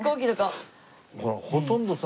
ほらほとんどさ。